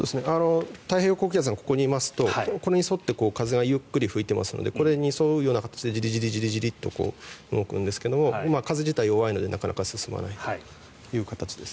太平洋高気圧がここにいますとこれに沿って風がゆっくり吹いていますのでこれに沿うような形でジリジリと動くんですが風自体が弱いのでなかなか進まないという形です。